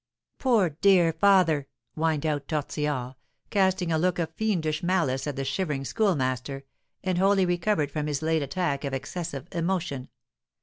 "Poor dear father!" whined out Tortillard, casting a look of fiendish malice at the shivering Schoolmaster, and wholly recovered from his late attack of excessive emotion.